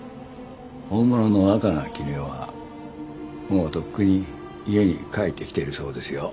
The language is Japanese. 本物の若菜絹代はもうとっくに家に帰ってきているそうですよ。